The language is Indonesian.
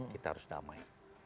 kita harus damai